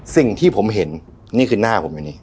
สิ่งที่ผมเห็นนี่คือหน้าผมอันนี้